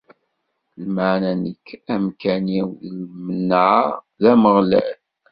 Lameɛna nekk, amkan-iw n lemneɛ, d Ameɣlal.